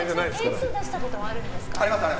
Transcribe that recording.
点数出したことはあるんですか。